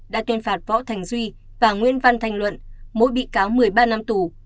đã tuyên phạt võ thành duy và nguyễn văn thành luận mỗi bị cáo một mươi ba năm tù